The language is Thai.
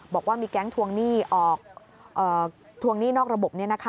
บอกว่ามีแก๊งทวงหนี้นอกระบบ